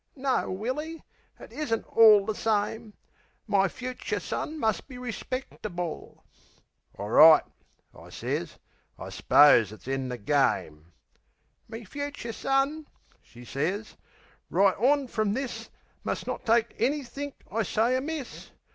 No, Willy, but it isn't all the same, My fucher son must be respectable." "Orright," I sez, "I s'pose it's in the game." "Me fucher son," she sez, "right on frum this Must not take anythink I say amiss.